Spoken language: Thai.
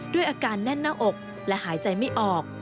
ด้วยอาการแน่นหน้าอกและหายใจไม่ออก